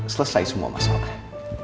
selesai semua masalah